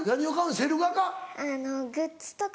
セル画か？